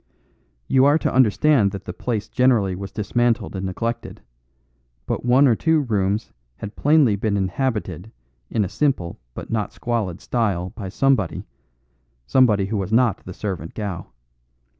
You are to understand that the place generally was dismantled and neglected; but one or two rooms had plainly been inhabited in a simple but not squalid style by somebody; somebody who was not the servant Gow.